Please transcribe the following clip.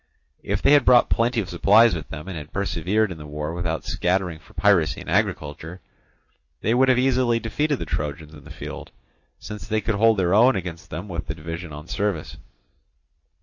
If they had brought plenty of supplies with them, and had persevered in the war without scattering for piracy and agriculture, they would have easily defeated the Trojans in the field, since they could hold their own against them with the division on service.